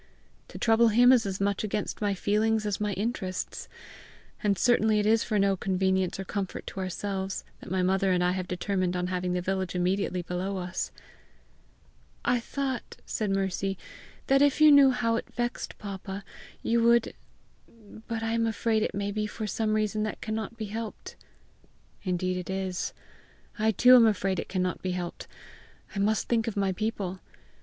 To trouble him is as much against my feelings as my interests. And certainly it is for no convenience or comfort to ourselves, that my mother and I have determined on having the village immediately below us." "I thought," said Mercy, "that if you knew how it vexed papa, you would But I am afraid it may be for some reason that cannot be helped!" "Indeed it is; I too am afraid it cannot be helped! I must think of my people!